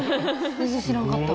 全然知らんかった。